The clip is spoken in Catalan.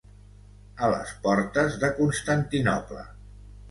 A les portes de Constantinoble.